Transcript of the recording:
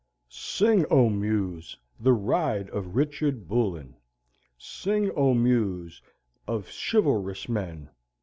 Sing, O Muse, the ride of Richard Bullen! Sing, O Muse of chivalrous men!